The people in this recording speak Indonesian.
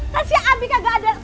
kasih ya abi gak ada